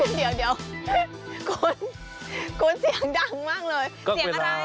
เดี๋ยวคุณคุณเสียงดังมากเลยเสียงอะไร